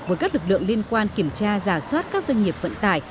với các lực lượng liên quan kiểm tra giả soát các doanh nghiệp vận tải